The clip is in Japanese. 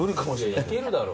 いけるだろ。